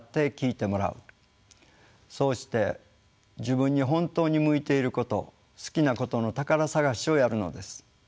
そうして自分に本当に向いていること好きなことの宝探しをやるのです。